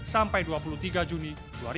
sampai dua puluh tiga juni dua ribu dua puluh